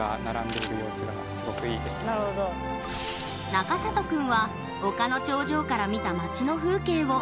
中里くんは丘の頂上から見た街の風景を。